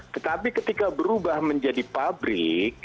tetapi ketika berubah menjadi pabrik